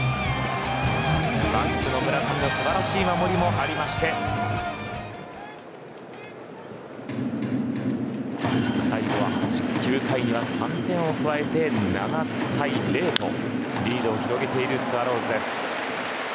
バックの村上の素晴らしい守りもありまして最後は９回には３点を加えて７対０とリードを広げているスワローズです。